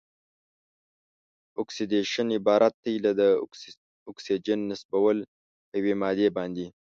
اکسیدیشن عبارت دی له د اکسیجن نصبول په یوې مادې باندې.